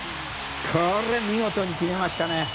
これ、見事に決めましたね。